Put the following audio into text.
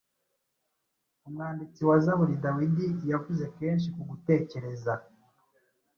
Umwamditsi wa Zaburi Dawidi yavuze kenshi ku gutekereza